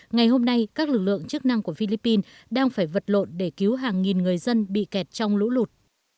ngày hôm nay các lực lượng chức năng của philippines đang phải vật lộn để cứu hàng nghìn người dân bị kẹt trong lũ lụt